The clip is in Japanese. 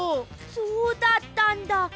そうだったんだ。